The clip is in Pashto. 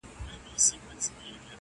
او دربار یې کړ صفا له رقیبانو!!